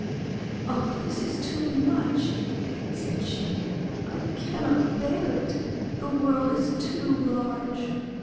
"Oh, this is too much!" said she; "I cannot bear it. The world is too large.